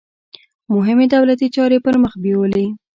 مهمې دولتي چارې پرمخ بیولې.